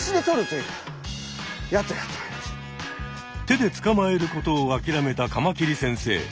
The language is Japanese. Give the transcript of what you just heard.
手でつかまえることをあきらめたカマキリ先生。